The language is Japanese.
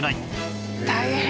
大変！